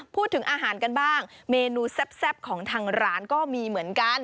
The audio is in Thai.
พูดถึงอาหารกันบ้างเมนูแซ่บของทางร้านก็มีเหมือนกัน